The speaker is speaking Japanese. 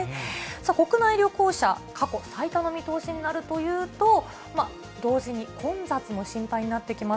国内旅行者、過去最多の見通しになるというと、同時に混雑も心配になってきます。